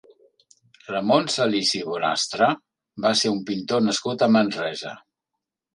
Ramon Salisi Bonastre va ser un pintor nascut a Manresa.